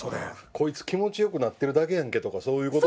「こいつ気持ち良くなってるだけやんけ」とかそういう事を。